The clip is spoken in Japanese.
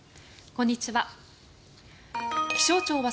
こんにちは。